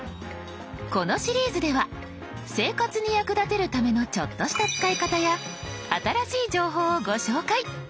このシリーズでは生活に役立てるためのちょっとした使い方や新しい情報をご紹介。